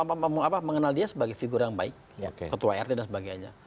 kayak di tai itu orang semua mengenal dia sebagai figur yang baik ketua rt dan sebagainya